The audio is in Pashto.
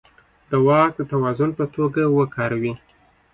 د واک د توازن په توګه وکاروي.